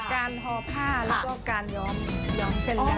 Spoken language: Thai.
การทอผ้าแล้วก็การย้อมเส้นหน้า